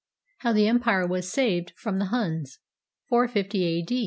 HOW THE EMPIRE WAS SAVED FROM THE HUNS [451 A.